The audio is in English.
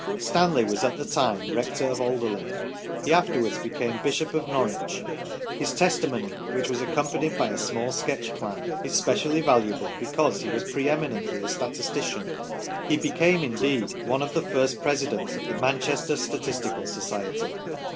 Stanley was at the time Rector of Alderley ; he afterwards became Bishop of Norwich. His testimony which was accompanied by a small sketch plan is specially valuable because he was pre eminently a statistician ; he be came, indeed, one of the first Presidents of the Manchester Statistical Society.